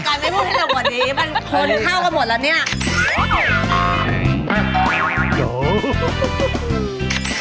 มันคนข้าวกันหมดแล้วเนี่ย